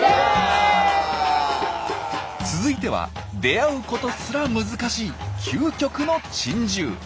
続いては出会うことすら難しい究極の珍獣。